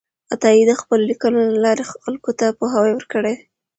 عطایي د خپلو لیکنو له لارې خلکو ته پوهاوی ورکړی دی.